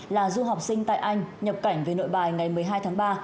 là du học sinh tại anh nhập cảnh về nội bài ngày một mươi hai tháng ba